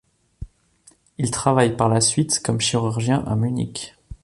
Il travaille par la suite comme chirurgien à Munich.